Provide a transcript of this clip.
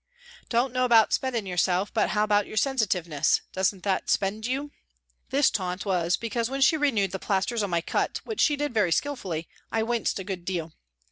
" Don't know about spending yourself, but how about your sensitiveness ? Doesn't that ' spend ' you ?" This taunt was because when she renewed the plasters on my cut, which she did very skilfully, I winced a good deal.